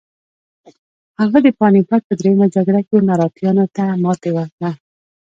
هغه د پاني پت په دریمه جګړه کې مراتیانو ته ماتې ورکړه.